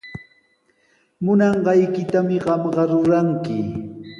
Munanqaykitami qamqa ruranki.